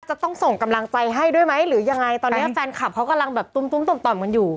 จะต้องส่งกำลังใจให้ด้วยไหมหรือยังไงตอนนี้แฟนคลับเขากำลังแบบตุ้มตุ้มต่อมต่อมกันอยู่